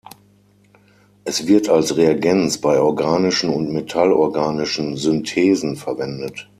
Es wird als Reagenz bei organischen und metallorganischen Synthesen verwendet.